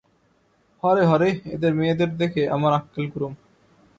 হরে, হরে, এদের মেয়েদের দেখে আমার আক্কেল গুড়ুম।